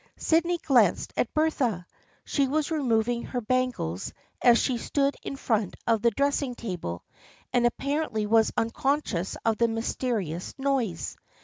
Sydney glanced at Bertha. She was removing her bangles as she stood in front of the dressing table, and ap parently was unconscious of the mysterious noise.